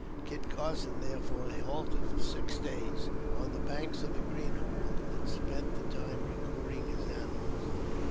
Kit Carson, therefore, halted for six days on the banks of the Greenhorn, and spent the time recruiting his animals.